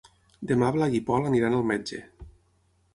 Demà en Blai i en Pol aniran al metge.